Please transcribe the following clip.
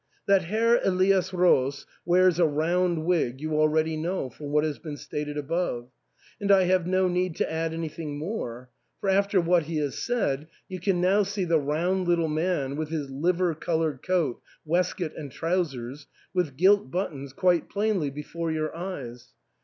That Herr Elias Roos wears a round wig you already know from what has been stated above ; and I have no need to add anything more ; for after what he has said, you can now see the round little man with his liver coloured coat, waistcoat, and trousers, with gilt buttons, quite plainly before your eyes.